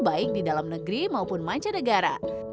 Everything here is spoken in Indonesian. baik di dalam negeri maupun manca negara